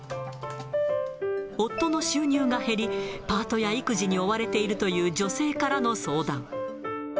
夫の収入が減り、パートや育児に追われているという女性からの相談。